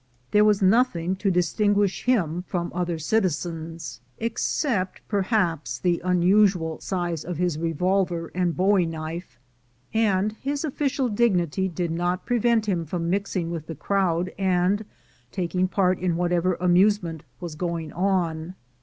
There was nothing to distinguish him 314 THE GOLD HUNTERS from other citizens, except perhaps the unusual size of his revolver and bowie knife; and his official dignity did not prevent him from mixing v\^ith the crowd and taking part in whatever amusement was going on.